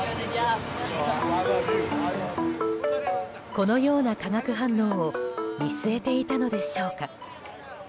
このような化学反応を見据えていたのでしょうか。